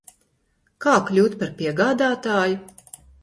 Kā kļūt par piegādātāju?